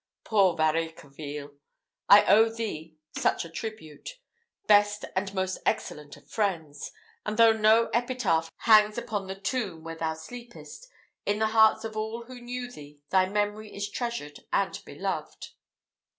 Poor Varicarville! I owe thee such a tribute, best and most excellent of friends! And though no epitaph hangs upon the tomb where thou sleepest, in the hearts of all who knew thee thy memory is treasured and beloved.